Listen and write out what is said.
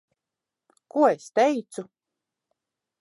Ko es teicu?